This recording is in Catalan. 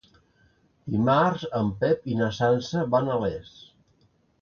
Dimarts en Pep i na Sança van a Les.